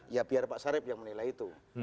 ya biar pak sarip yang menilai itu